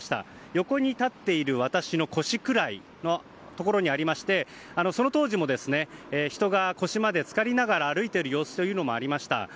横に立っている私の腰くらいのところにありましてその当時も人が腰まで浸かりながら歩いている様子もありました。